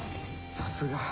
さすが。